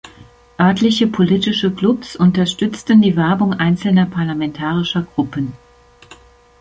Örtliche politische Klubs unterstützten die Werbung einzelner parlamentarischer Gruppen.